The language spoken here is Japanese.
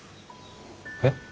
えっ？